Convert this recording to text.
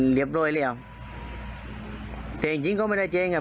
เลียบโดยแล้วเธอจริงพี่คนไม่ได้เจ๋งอ่ะ